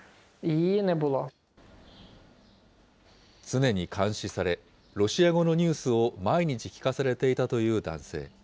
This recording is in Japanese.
常に監視され、ロシア語のニュースを毎日聞かされていたという男性。